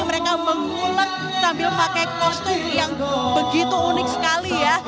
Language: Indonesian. mereka mengulek sambil pakai kostum yang begitu unik sekali ya